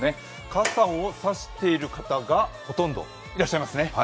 傘を差している方がほとんどいらっしゃいますね。